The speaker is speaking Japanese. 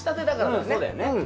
うんそうだよね。